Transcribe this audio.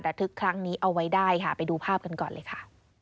ทึกครั้งนี้เอาไว้ได้ค่ะไปดูภาพกันก่อนเลยค่ะ